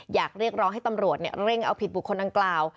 อยากเรียกร้องให้ตำรวจเร่งเอาผิดบุคคลดังกล่าว